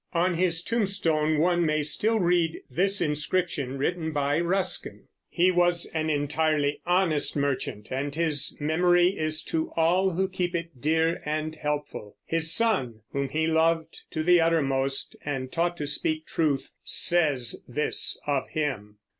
On his tombstone one may still read this inscription written by Ruskin: "He was an entirely honest merchant and his memory is to all who keep it dear and helpful. His son, whom he loved to the uttermost and taught to speak truth, says this of him."